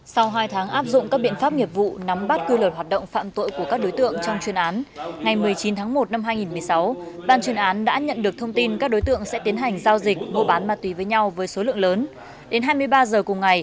sau hai tháng áp dụng các biện pháp nghiệp vụ nắm bắt cư lợi hoạt động phạm tội của các đối tượng trong chuyên án ngày một mươi chín tháng một năm hai nghìn một mươi sáu ban chuyên án đã nhận được thông tin các đối tượng sẽ tiến hành giao dịch mô bán ma túy với nhau với số lượng lớn